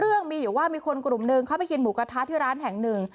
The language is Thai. เรื่องมีอยู่ว่ามีคนกลุ่มหนึ่งเข้าไปกินหมูกระทะที่ร้านแห่งหนึ่ง